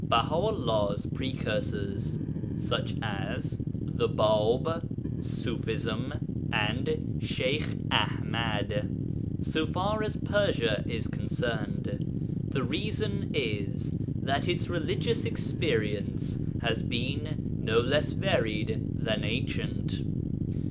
BAHA'ULLAH'S PRECURSORS, e.g. THE BĀB, ṢUFISM, AND SHEYKH AḤMAD So far as Persia is concerned, the reason is that its religious experience has been no less varied than ancient.